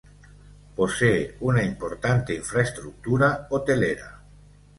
Posee una importante infraestructura hotelera.